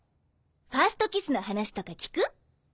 ファーストキスの話とか聞く？